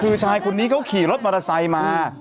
คือชายคนนี้เขาขี่รถมอเตอร์ไซค์มา